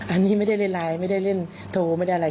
อันนี้ไม่ได้เล่นไลน์ไม่ได้เล่นโทรไม่ได้อะไร